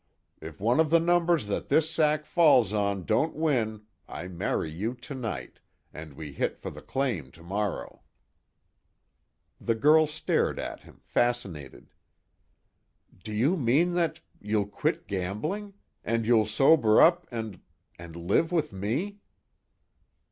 If one of the numbers that this sack falls on don't win, I marry you tonight, and we hit for the claim tomorrow." The girl stared at him, fascinated: "Do you mean that you'll quit gambling and you'll sober up and and live with me?"